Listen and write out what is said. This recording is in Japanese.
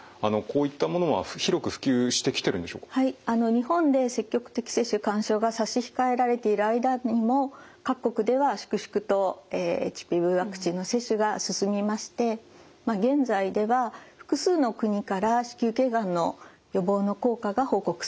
日本で積極的接種勧奨が差し控えられている間にも各国では粛々とＨＰＶワクチンの接種が進みまして現在では複数の国から子宮頸がんの予防の効果が報告されております。